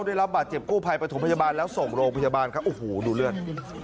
ได้รับบาดเจ็บกู้ภัยประถมพยาบาลแล้วส่งโรงพยาบาลครับโอ้โหดูเลือด